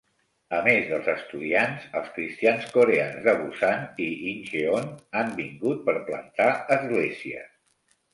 A més dels estudiants, els cristians coreans de Busan i Incheon han vingut per plantar esglésies.